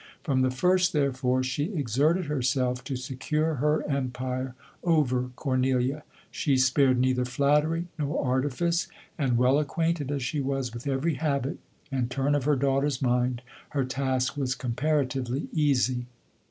From the first, therefore, she exerted LODOKE. 117 herself to secure her empire over Cornelia ; she spared neither flattery nor artifice ; and, well acquainted as she was with every habit and turn of her daughter's mind, her task was com parativelv easy.